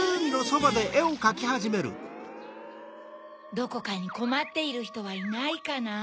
どこかにこまっているひとはいないかなぁ？